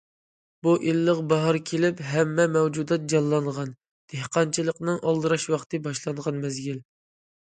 بۇ ئىللىق باھار كېلىپ ھەممە مەۋجۇدات جانلانغان، دېھقانچىلىقنىڭ ئالدىراش ۋاقتى باشلانغان مەزگىل.